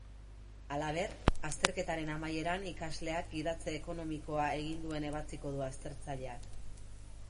Halaber, azterketaren amaieran ikasleak gidatze ekonomikoa egin duen ebatziko du aztertzaileak.